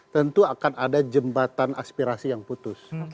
tentu akan ada jembatan aspirasi yang putus